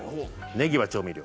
ねぎは調味料。